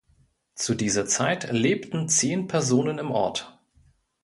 Zu dieser Zeit lebten zehn Personen im Ort.